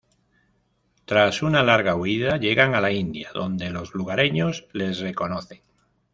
Tras una larga huida, llegan a la India, donde los lugareños les reconocen.